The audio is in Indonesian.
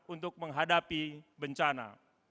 untuk menghadapi bencana